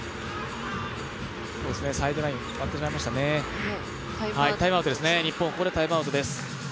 サイドラインを割ってしまいましたね、日本、ここでタイムアウトです。